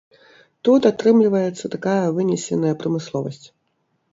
Тут атрымліваецца такая вынесеная прамысловасць.